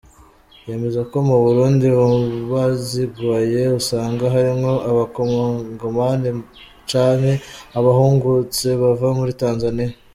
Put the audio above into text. Yemeza ko mu Burundi mubazigwaye usanga harimwo abakongomani canke abahungutse bava muri Tanzania.